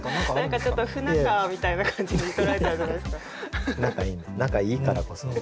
何かちょっと不仲みたいな感じにとられちゃうじゃないですか。